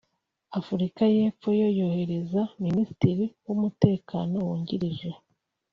Afurika y’ Epfo yo yohereza Minisitiri w’umutekano wungirije